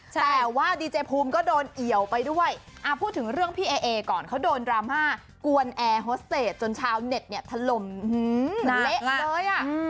แต่ว่าดีเจภูมิก็โดนเอี่ยวไปด้วยพูดถึงเรื่องพี่เอก่อนเขาโดนดราม่ากวนแอร์ฮอสเตจจนชาวเน็ตเนี่ยถล่มเละเลยอ่ะ